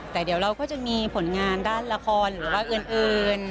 แต่เดี๋ยวเราก็จะมีผลงานด้านละครหรือว่าอื่น